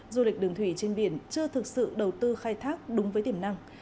du lịch đường thủy trên biển chưa thực sự đầu tư khai thác đúng với tiềm năng